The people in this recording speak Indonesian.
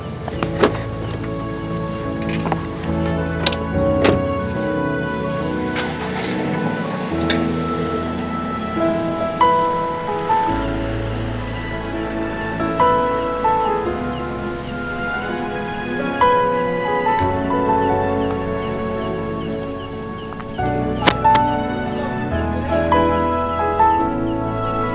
terima kasih juga